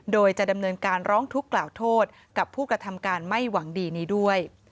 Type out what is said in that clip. โดยจะดำเนินการร้องทุกข์กล่าวโทษกับผู้กระทำการไม่หวังดีนี้ด้วย